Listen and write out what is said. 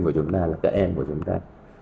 của chúng ta là cả em của chúng ta